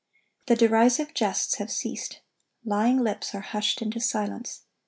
(1108) The derisive jests have ceased. Lying lips are hushed into silence.